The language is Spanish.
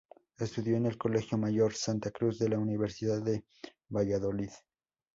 Estudió en el Colegio Mayor Santa Cruz de la universidad de Valladolid.